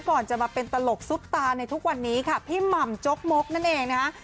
ก่อนจะมาเป็นตลกซุปตาในทุกวันนี้ค่ะพี่หม่ำจกมกนั่นเองนะฮะ